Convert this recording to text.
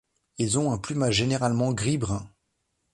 Ils ont un plumage généralement gris-brun.